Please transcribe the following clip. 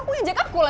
ibu yang ambil